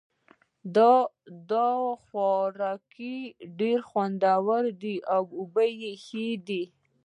دا خوراک ډېر خوندور ده او بوی یې ښه ده